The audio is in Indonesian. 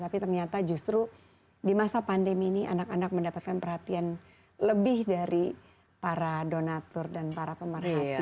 tapi ternyata justru di masa pandemi ini anak anak mendapatkan perhatian lebih dari para donatur dan para pemerhati